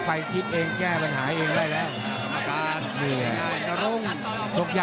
อารมณ์อักหน่อย